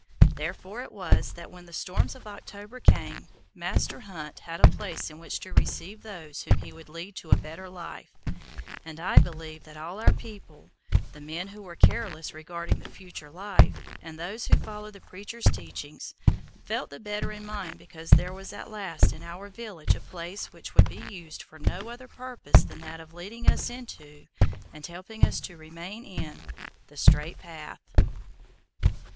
Therefore it was that when the storms of October came, Master Hunt had a place in which to receive those whom he would lead to a better life, and I believe that all our people, the men who were careless regarding the future life, and those who followed the preacher's teachings, felt the better in mind because there was at last in our village a place which would be used for no other purpose than that of leading us into, and helping us to remain in, the straight path.